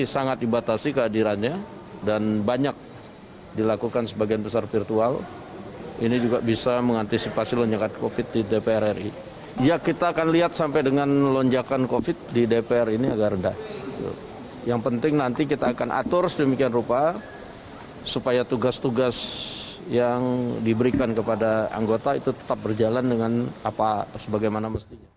supaya tugas tugas yang diberikan kepada anggota itu tetap berjalan dengan apa sebagaimana mestinya